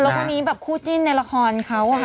แล้วคนนี้แบบคู่จิ้นในละครเขาค่ะ